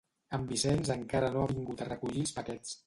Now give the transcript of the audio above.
En Vicenç encara no ha vingut a recollir els paquets